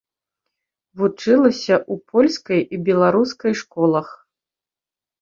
Вучылася ў польскай і беларускай школах.